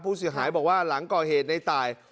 ผู้เสียหายบอกว่าหลังก่อเหตุในตาย